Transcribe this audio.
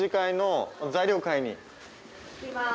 行きます！